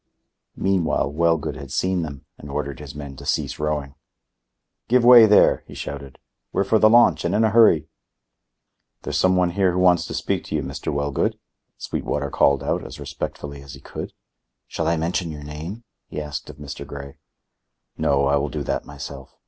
Meanwhile Wellgood had seen them and ordered his men to cease rowing. "Give way, there," he shouted. "We're for the launch and in a hurry." "There's some one here who wants to speak to you, Mr. Wellgood," Sweetwater called out, as respectfully as he could. "Shall I mention your name?" he asked of Mr. Grey. "No, I will do that myself."